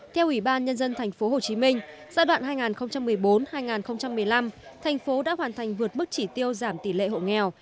theo ủy ban nhân dân tp hcm giai đoạn hai nghìn một mươi bốn hai nghìn một mươi năm thành phố đã hoàn thành vượt mức chỉ tiêu giảm tỷ lệ hộ nghèo